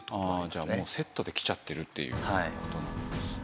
じゃあセットで来ちゃってるっていう事なんですね。